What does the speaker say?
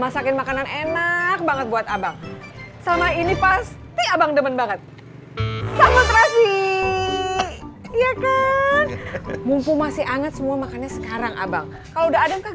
sampai jumpa di video selanjutnya